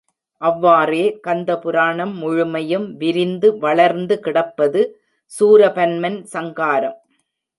அவ்வாறே கந்த புராணம் முழுமையும் விரிந்து வளர்ந்து கிடப்பது சூரபன்மன் சங்காரம்.